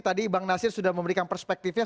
tadi bang nasir sudah memberikan perspektifnya